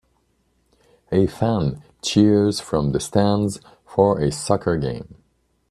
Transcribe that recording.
A fan cheers from the stands for a soccer game.